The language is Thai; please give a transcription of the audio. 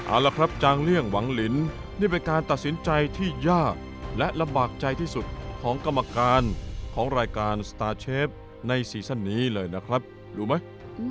เอาละครับจางเลี่ยงหวังลินนี่เป็นการตัดสินใจที่ยากและลำบากใจที่สุดของกรรมการของรายการสตาร์เชฟในซีซั่นนี้เลยนะครับรู้ไหม